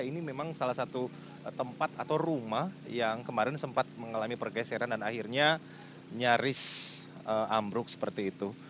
ini memang salah satu tempat atau rumah yang kemarin sempat mengalami pergeseran dan akhirnya nyaris ambruk seperti itu